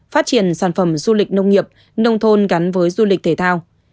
phát triển sản phẩm du lịch nông nghiệp nông thôn gắn với du lịch thể thao